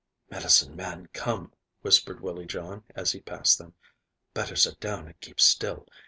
"Medicine man come," whispered Willie John, as he passed them. "Better sit down and keep still.